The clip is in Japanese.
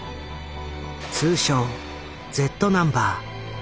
通称「Ｚナンバー」。